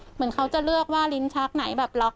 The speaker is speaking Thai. เหมือนเขาจะเลือกว่าลิ้นชักไหนแบบล็อก